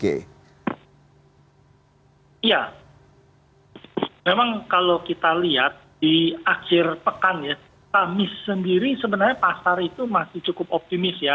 iya memang kalau kita lihat di akhir pekan ya kamis sendiri sebenarnya pasar itu masih cukup optimis ya